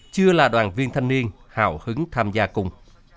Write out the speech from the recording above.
chưa là đoàn viên thanh niên hào hứng tham gia cùng